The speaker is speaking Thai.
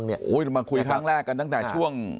เหมือนคุยตั้งแต่ช่วง